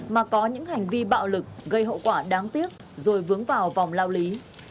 mà có những hành vi bạo lực gây hậu quả đáng tiếc rồi vướng vào vòng lao lý